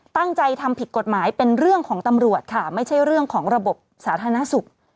ตั้งใจทำผิดกฎหมายเป็นเรื่องของตำรวจค่ะไม่ใช่เรื่องของระบบสาธารณสุข